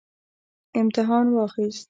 امتحان واخیست